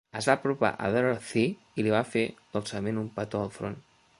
Es va apropar a Dorothy i li va fer dolçament un petó al front.